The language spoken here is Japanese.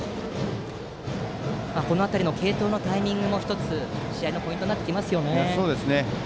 この辺りの継投のタイミングも１つ、試合のポイントですね。